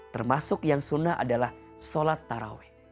termasuk yang sunnah adalah sholat taraweh